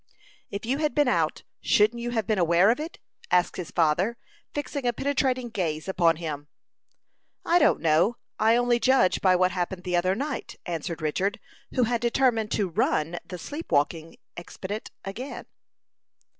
"If you had been out, shouldn't you have been aware of it?" asked his father, fixing a penetrating gaze upon him. "I don't know. I only judge by what happened the other night," answered Richard, who had determined to "run" the sleep walking expedient again.